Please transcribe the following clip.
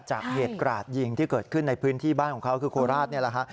จากเหตุกราดยิงที่เกิดขึ้นในพื้นที่บ้านของเขาคือโคราชนี่แหละฮะ